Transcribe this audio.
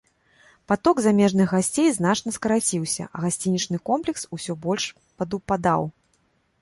Паток замежных гасцей значна скараціўся, а гасцінічны комплекс усё больш падупадаў.